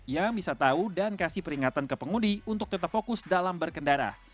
ia bisa tahu dan kasih peringatan ke pengudi untuk tetap fokus dalam berkendara